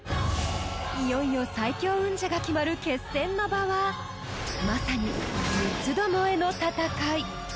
［いよいよ最強運者が決まる決戦の場はまさに三つどもえの戦い］